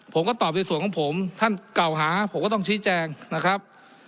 ผมก็ตอบในส่วนของผมท่านเก่าหาผมก็ต้องชี้แจงนะครับ